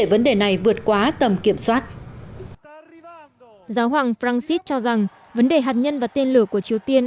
vấn đề hạt nhân và tiên lửa của triều tiên